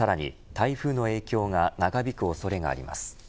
台風の影響が長引く恐れがあります。